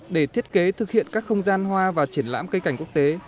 để thiết kế thực hiện các không gian hoa và triển lãm cây cảnh quốc tế